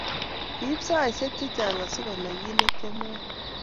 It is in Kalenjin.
Kiib saishek che chang asikonai kit ne kimwoe